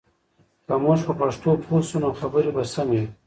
که موږ په پښتو پوه شو، نو خبرې به سمې وي.